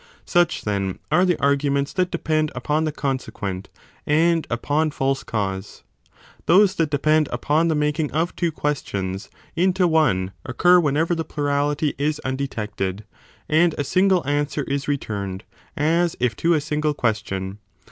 Such, then, are the arguments that depend upon the con sequent and upon false cause. Those that depend upon the making of two questions into one occur whenever the plurality is undetected and a single answer is returned as if i68 a to a single question.